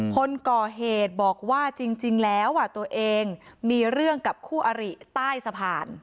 คนก่อเหตุบอกว่าจริงแล้วตัวเองมีเรื่องกับคู่อริใต้สะพาน